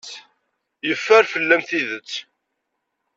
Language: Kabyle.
Yeffer fell-am tidet.